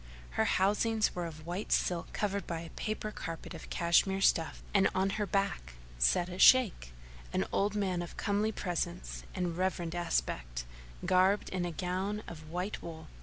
Her housings were of white silk covered by a prayer carpet of Cash mere stuff, and on her back sat a Shaykh, an old man of comely presence and reverend aspect, garbed in a gown of white wool.